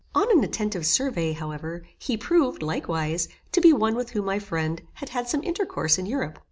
On an attentive survey, however, he proved, likewise, to be one with whom my friend had had some intercourse in Europe.